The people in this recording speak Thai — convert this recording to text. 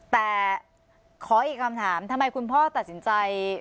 แต่ขออีกคำถามทำไมคุณพ่อตัดสินใจ